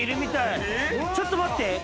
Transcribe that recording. ちょっと待って。